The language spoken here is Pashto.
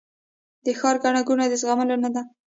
د ښار ګڼه ګوڼه د زغملو نه ده